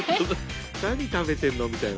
「何食べてんの？」みたいな。